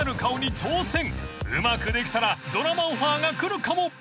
［うまくできたらドラマオファーが来るかも］